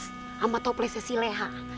sama toplesnya si leha